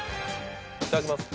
いただきます。